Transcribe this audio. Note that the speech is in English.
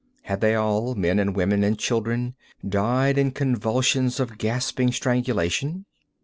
Had they all, men and women and children, died in convulsions of gasping strangulation?